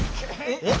えっ⁉